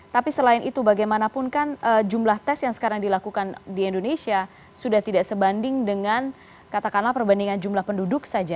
tapi selain itu bagaimanapun kan jumlah tes yang sekarang dilakukan di indonesia sudah tidak sebanding dengan katakanlah perbandingan jumlah penduduk saja